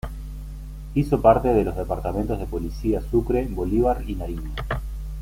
Hizo parte de los departamentos de Policía Sucre, Bolívar y Nariño.